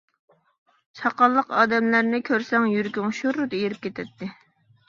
ساقاللىق ئادەملەرنى كۆرسەڭ يۈرىكىڭ شۇررىدە ئېرىپ كېتەتتى.